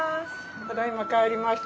ただいま帰りました。